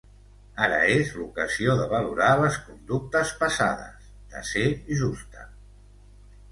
Ara és l'ocasió de valorar les conductes passades, de ser justa.